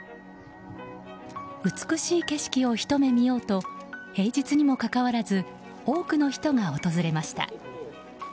美しい景色をひと目見ようと平日にもかかわらず多くの人が訪れました。